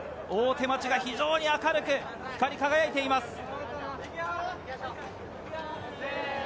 大手町が明るく光り輝いています。